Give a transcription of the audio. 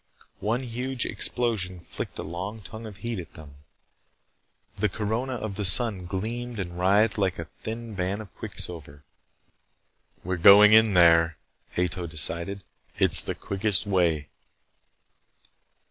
One huge explosion flicked a long tongue of heat at them. The corona of the sun gleamed and writhed like a thin band of quicksilver. "We're going in there," Ato decided. "It's the quickest way."